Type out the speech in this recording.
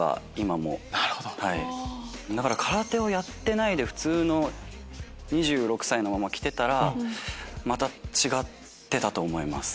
だから空手をやってないで普通の２６歳のまま来てたらまた違ってたと思います。